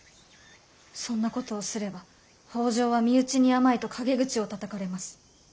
そんなことをすれば北条は身内に甘いと陰口をたたかれます。